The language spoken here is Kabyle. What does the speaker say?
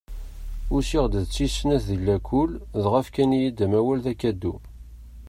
Usiɣ-d d tis snat di lakul dɣa fkan-iyi-d amawal d akadu.